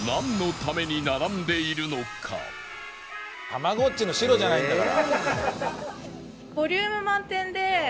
たまごっちの白じゃないんだから。